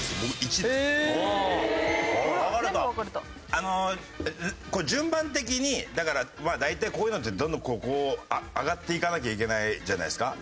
あのこれ順番的にだから大体こういうのってどんどんこう上がっていかなきゃいけないじゃないですか。